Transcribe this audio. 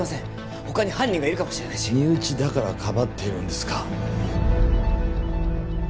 他に犯人がいるかもしれないし身内だからかばってるんですか？